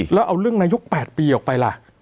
แล้วเอาเรื่องนายก๘ปีออกไปล่ะ